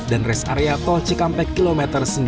dan race area tol cikampek km sembilan belas